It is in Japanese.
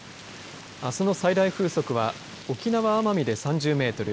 あすの最大風速は沖縄・奄美で３０メートル